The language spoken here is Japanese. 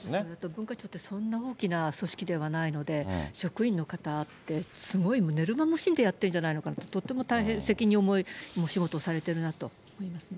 文化庁ってそんな大きな組織ではないので、職員の方ってすごい寝る間も惜しんでやってるんじゃないかなと、とっても責任重いお仕事をされてるなと思いますね。